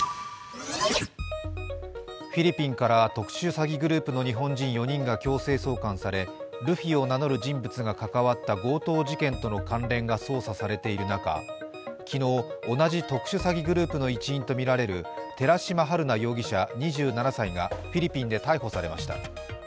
フィリピンから特殊詐欺グループの日本人４人が強制送還され、ルフィを名乗る人物が関わった強盗事件との関連が捜査されている中、昨日、同じ特殊詐欺グループの一員とみられる寺島春奈容疑者２７歳がフィリピンで逮捕されました。